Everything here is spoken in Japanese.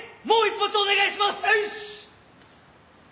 もう１発お願いします。